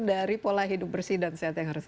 dari pola hidup bersih dan sehat yang harus